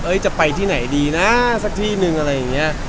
เอ้ยจะไปที่ไหนดีนะฮะสักที่นึงอะไรอย่างเงี้ย